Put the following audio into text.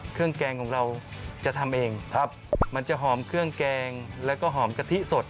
แกงของเราจะทำเองครับมันจะหอมเครื่องแกงแล้วก็หอมกะทิสด